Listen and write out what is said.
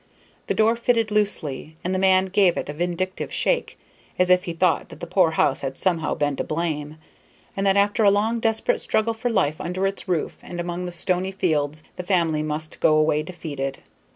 The door fitted loosely, and the man gave it a vindictive shake, as if he thought that the poor house had somehow been to blame, and that after a long desperate struggle for life under its roof and among the stony fields the family must go away defeated.